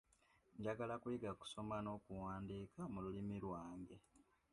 Njagala kuyiga kusoma n'okuwandiika mu lulimi lwange.